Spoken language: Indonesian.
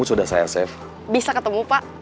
saya tahu kamu masih marah